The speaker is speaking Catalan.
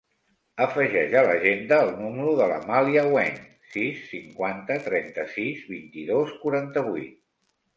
Afegeix a l'agenda el número de l'Amàlia Weng: sis, cinquanta, trenta-sis, vint-i-dos, quaranta-vuit.